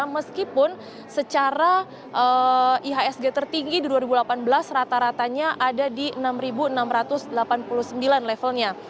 meskipun secara ihsg tertinggi di dua ribu delapan belas rata ratanya ada di enam enam ratus delapan puluh sembilan levelnya